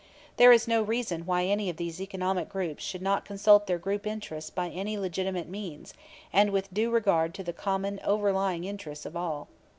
There is no reason why any of these economic groups should not consult their group interests by any legitimate means and with due regard to the common, overlying interests of all.